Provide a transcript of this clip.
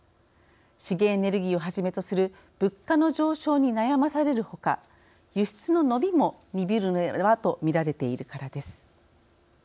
資源エネルギーをはじめとする物価の上昇に悩まされるほか輸出の伸びも鈍るのではと見られているからです。